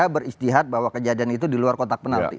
beristihad bahwa kejadian itu di luar kotak penalti